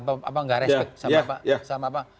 apa gak respek sama apa